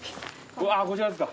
うわこちらですか。